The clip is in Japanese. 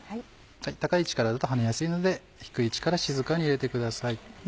高い位置からだとはねやすいので低い位置から静かに入れてください。